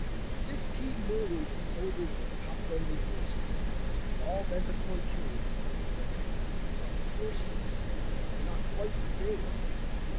Fifteen millions of soldiers with popguns and horses All bent upon killing, because their "of courses" Are not quite the same.